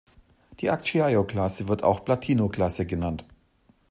Die Acciaio-Klasse wird auch "Platino-Klasse" genannt.